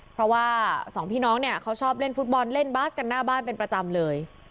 เพราะว่าสองพี่น้องเนี่ยเขาชอบเล่นฟุตบอลเล่นบาสกันหน้าบ้านเป็นประจำเลย